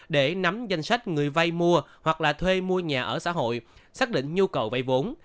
để nắm danh sách người vay mua hoặc là thuê mua nhà ở xã hội xác định nhu cầu vay vốn